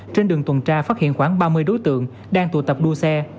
trên đường tuần tra phát hiện khoảng ba mươi đối tượng đang tụ tập đua xe